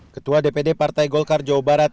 ketua dpd partai golkar jawa barat